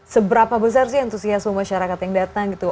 seberapa besar sih antusiasme masyarakat yang datang gitu